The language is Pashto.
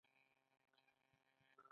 ګورم زما والد صاحب بیرون تشناب ته تللی دی.